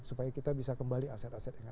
supaya kita bisa kembali aset asetnya